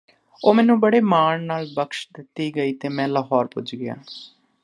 ਓਹ ਮੈਨੂੰ ਬੜੇ ਮਾਣ ਨਾਲ਼ ਬਖਸ਼ ਦਿੱਤੀ ਗਈ ਤੇ ਮੈਂ ਲਹੌਰ ਪੁਜ ਗਿਆ